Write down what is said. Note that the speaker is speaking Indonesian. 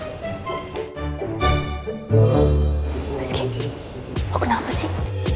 rizky aku kenapa sih